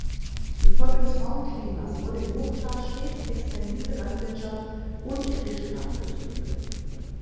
Infolge des rauen Klimas wurde im Hochtal stets extensive Landwirtschaft und Fischfang betrieben.